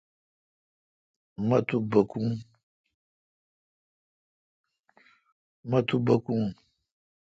مہ تو باکو۔